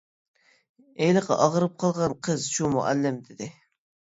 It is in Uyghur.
-ھېلىقى ئاغرىپ قالغان قىز شۇ مۇئەللىم، -دېدى.